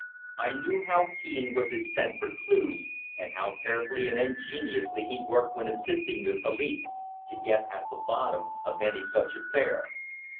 I knew how keen was his scent for clues, and how carefully and ingeniously he worked when assisting the police to get at the bottom of any such affair.